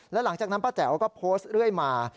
แล้วหลังจากนั้นป้าแจ๋วก็โพสต์เรื่อยมา